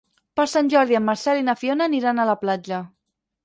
Per Sant Jordi en Marcel i na Fiona aniran a la platja.